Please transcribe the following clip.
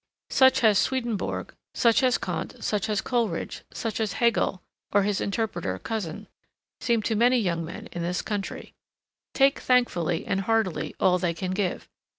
Such has Swedenborg, such has Kant, such has Coleridge, such has Hegel or his interpreter Cousin seemed to many young men in this country. Take thankfully and heartily all they can give.